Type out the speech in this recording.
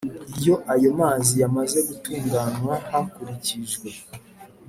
iyo ayo mazi yamaze gutunganywa hakurikijwe